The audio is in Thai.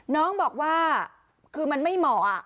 น้องบอกว่าคือมันไม่เหมาะ